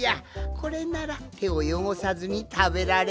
これならてをよごさずにたべられるぞい。